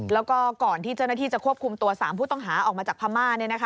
แล้วก็ก่อนที่เจ้าหน้าที่จะควบคุมตัว๓ผู้ต้องหาออกมาจากพม่า